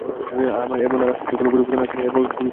এবার আর আকৃতির কোনো পরিবর্তন আসেনি, এবার পরিবর্তনটা এসেছে রঙে।